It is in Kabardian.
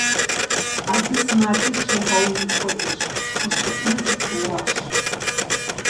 Абы сымаджэр тригъэуи хуэдэщ – и щэӏуныр зэпыуащ.